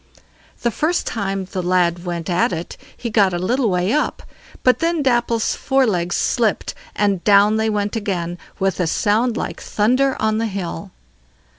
The first time the lad went at it he got a little way up; but then Dapple's fore legs slipped, and down they went again, with a sound like thunder on the hill.